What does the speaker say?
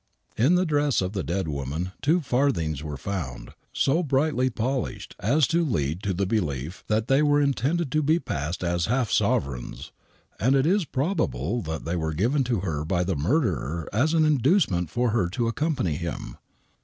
In the dress of the dead w^oman two farthings were found, so brightly polished as to lead to the belief that they were intended to be passed as half sovereigns, and it is probable that they were given to her by the murderer as an inducement for her to accompany him.